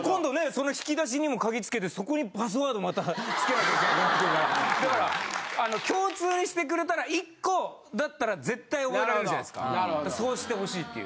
その引き出しにも鍵付けてそこにパスワードまた付けなきゃいけなくなってくるからだから共通にしてくれたら１個だったら絶対覚えられるじゃないですかそうしてほしいっていう。